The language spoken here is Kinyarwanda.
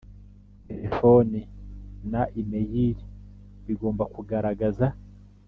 Telefoni na imeyili bigomba kugaragaza